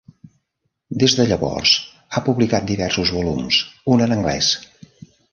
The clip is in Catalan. Des de llavors ha publicat diversos volums, un en anglès.